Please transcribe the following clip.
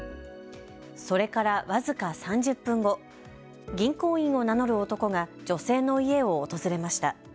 それから僅か３０分後、銀行員を名乗る男が女性の家を訪れました。